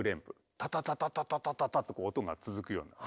タタタタタタタタタと音が続くような感じ。